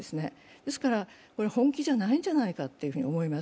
ですから、これは本気じゃないんじゃないかと思います。